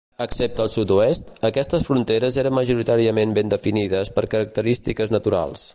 Excepte al sud-oest, aquestes fronteres eren majoritàriament ben definides per característiques naturals.